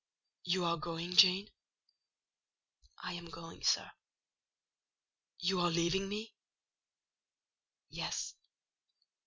"You are going, Jane?" "I am going, sir." "You are leaving me?" "Yes."